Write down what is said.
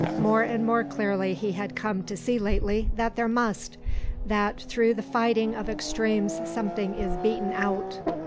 More and more clearly he had come to see lately that there must; that through the fighting of extremes something is beaten out....